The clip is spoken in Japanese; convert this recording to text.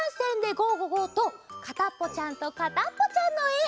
ゴ・ゴー！」と「かたっぽちゃんとかたっぽちゃん」のえ。